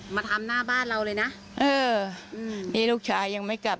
มาทำหน้าบ้านเราเลยนะเอออืมนี่ลูกชายยังไม่กลับ